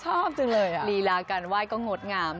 ชอบจังเลยลีลาการไหว้ก็งดงาม